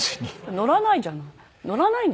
乗らないじゃない。